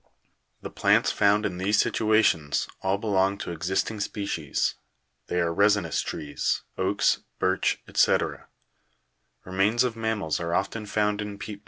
The plants found in these situations all belong to existing species ; they are resinous trees, oaks, birch, &c. Remains of mammals are often found in peat.